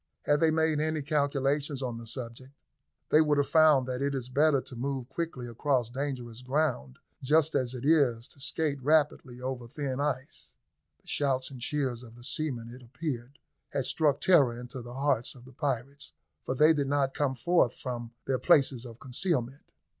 Had they made any calculations on the subject, they would have found that it is better to move quickly across dangerous ground just as it is to skate rapidly over thin ice. The shouts and cheers of the seamen, it appeared, had struck terror into the hearts of the pirates, for they did not come forth from their places of concealment.